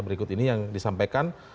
berikut ini yang disampaikan